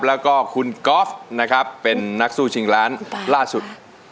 แล้วก็คุณก๊อฟนะครับเป็นนักสู้ชิงล้านล่าสุด